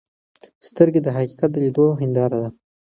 سترګې د حقیقت د لیدلو هنداره ده.